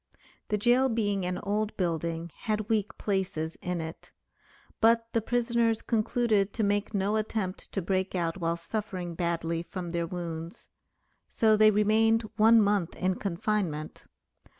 The jail being an old building had weak places in it; but the prisoners concluded to make no attempt to break out while suffering badly from their wounds. So they remained one month in confinement.